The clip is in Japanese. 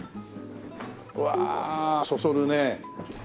うわあそそるね。